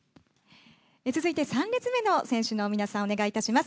続いて３列目の選手の皆さん、お願いいたします。